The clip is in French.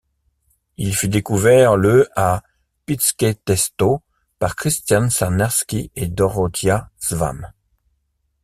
Il fut découvert le à Piszkesteto par Krisztián Sárneczky et Dorottya Szám.